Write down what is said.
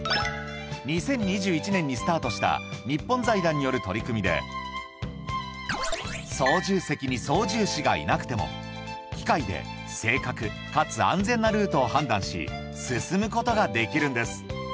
２０２１年にスタートした日本財団による取り組みで操縦席に操縦士がいなくても機械で正確かつ安全なルートを判断し進むことができるんです